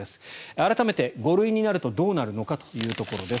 改めて５類になるとどうなるのかというところ。